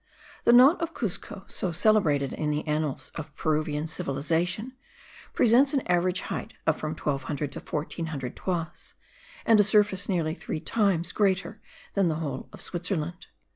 The knot of Cuzco, so celebrated in the annals of Peruvian civilization, presents an average height of from 1200 to 1400 toises, and a surface nearly three times greater than the whole of Switzerland.